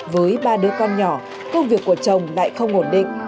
với ba đứa con nhỏ công việc của chồng lại không ổn định